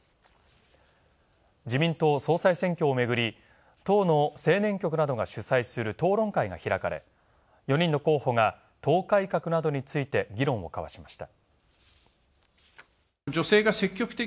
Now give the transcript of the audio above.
自民党総裁選挙をめぐり、党の青年局などが主催する討論会が開かれ、４人の候補が党改革などについて議論を交わしました。